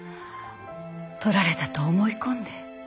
盗られたと思い込んで。